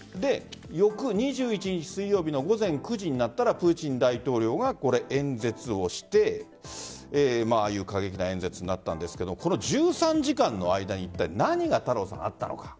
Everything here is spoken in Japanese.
翌２１日水曜日の午前９時になったらプーチン大統領が演説をしてああいう過激な演説になったんですが１３時間の間に何があったのか。